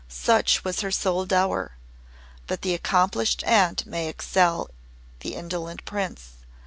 Such was her sole dower, but the accomplished Aunt may excel the indolent Prince.